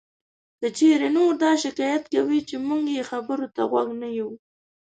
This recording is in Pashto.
که چېرې نور دا شکایت کوي چې مونږ یې خبرو ته غوږ نه یو